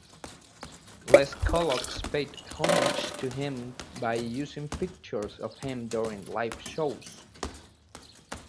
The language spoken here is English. Les Colocs paid homage to him by using pictures of him during live shows.